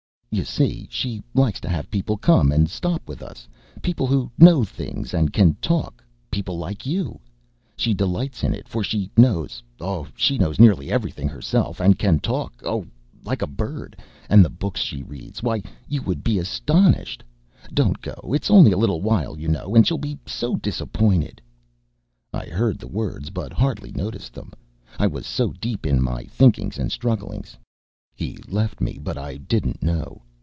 "You see, she likes to have people come and stop with us people who know things, and can talk people like you. She delights in it; for she knows oh, she knows nearly everything herself, and can talk, oh, like a bird and the books she reads, why, you would be astonished. Don't go; it's only a little while, you know, and she'll be so disappointed." I heard the words, but hardly noticed them, I was so deep in my thinkings and strugglings. He left me, but I didn't know.